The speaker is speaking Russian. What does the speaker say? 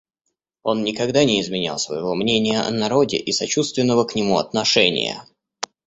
Он никогда не изменял своего мнения о народе и сочувственного к нему отношения.